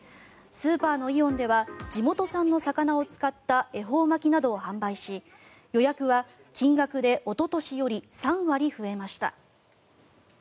スーパーのイオンでは地元産の魚を使った恵方巻きなどを販売し予約は金額でおととしより３割増えました。